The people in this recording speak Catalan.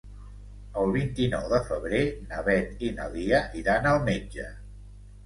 El vint-i-nou de febrer na Beth i na Lia iran al metge.